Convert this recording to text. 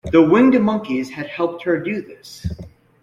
The Winged Monkeys had helped her do this.